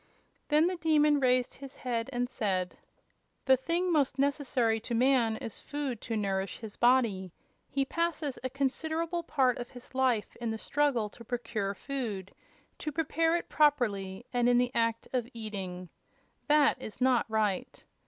Then the Demon raised his head and said: "The thing most necessary to man is food to nourish his body. He passes a considerable part of his life in the struggle to procure food, to prepare it properly, and in the act of eating. This is not right.